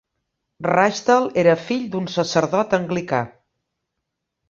Rashdall era fill d'un sacerdot anglicà.